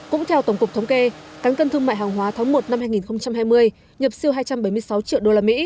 cũng theo tổng cục thống kê cán cân thương mại hàng hóa tháng một năm hai nghìn hai mươi nhập siêu hai trăm bảy mươi sáu triệu usd